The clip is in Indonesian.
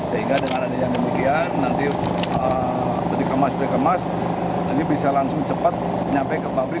sehingga dengan adanya demikian nanti ketika dikemas berkemas nanti bisa langsung cepat nyampe ke pabrik